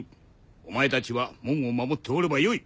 お前たちは門を守っておればよい。